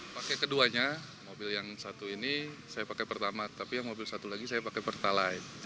pakai keduanya mobil yang satu ini saya pakai pertama tapi yang mobil satu lagi saya pakai pertalite